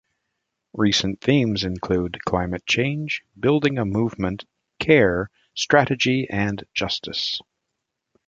Recent themes include "Climate Change", "Building a Movement", "Care", "Strategy", and "Justice".